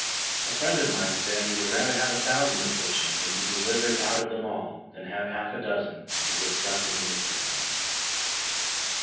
A friend of mine said he would rather have a thousand afflictions and be delivered out of them all, than have half a dozen and get stuck in the midst of them.